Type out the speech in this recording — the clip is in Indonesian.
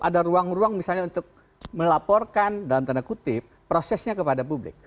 ada ruang ruang misalnya untuk melaporkan dalam tanda kutip prosesnya kepada publik